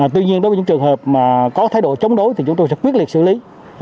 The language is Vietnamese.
tuy nhiên đối với những trường hợp mà có thái độ chống đối thì chúng tôi sẽ quyết liệt xử lý